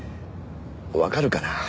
わかるかな？